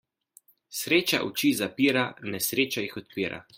Sreča oči zapira, nesreča jih odpira.